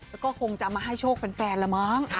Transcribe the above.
แล้วก็คงจะมาให้โชคแฟนละมั้ง